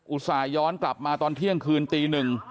ส่าหย้อนกลับมาตอนเที่ยงคืนตีหนึ่ง